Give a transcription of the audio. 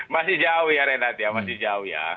masih jauh ya renat ya masih jauh ya